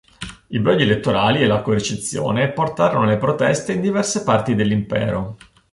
I brogli elettorali e la coercizione portarono alle proteste in diverse parti dell'Impero.